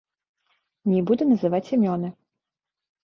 Не буду называць імёны.